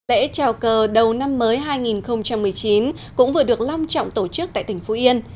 lễ chào cờ đầu năm mới hai nghìn một mươi chín cũng vừa được long trọng tổ chức tại tỉnh phú yên